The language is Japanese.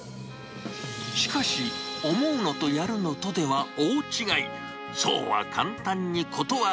しかし、思うのとやるのとでは大違い。